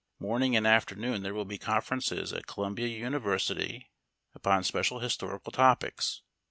Morning and afternoon there will be conferences at Columbia University upon special historical topics.